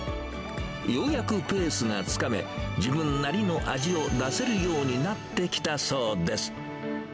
ようやくペースがつかめ、自分なりの味を出せるようになってきたそうです。